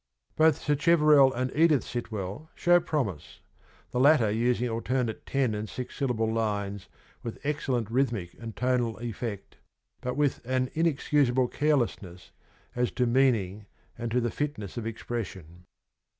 Both Sacheverell and Edith Sitwell show promise ; the latter using alternate ten and six syllable lines with excellent rhythmic and tonal effect but with an inexcusable carelessness as to meaning and to the fitness of expression.